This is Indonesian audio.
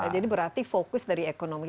jadi berarti fokus dari ekonomi